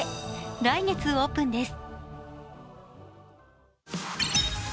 来月オープンです。